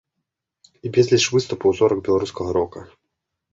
І безліч выступаў зорак беларускага рока.